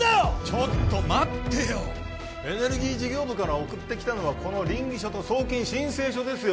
ちょっと待ってよエネルギー事業部から送ってきたのはこの稟議書と送金申請書ですよ